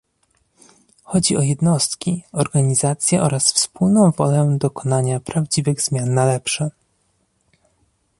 Chodzi o jednostki, organizacje oraz wspólną wolę dokonania prawdziwych zmian na lepsze